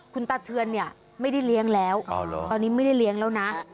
คุณตาเทือนเนี่ยไม่ได้เลี้ยงแล้วตอนนี้ไม่ได้เลี้ยงแล้วนะ